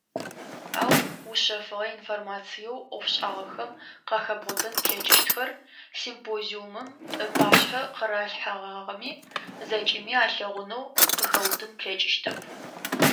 Ау, ушъэфыгъэ информациеу ӏофшӏагъэхэм къахэбгъотэн плъэкӏыщтхэр, симпозиумым ыпашъхьэ къыралъхьэгъагъэми, зэкӏэми алъэгъунэу къыхэуутын плъэкӏыщтэп.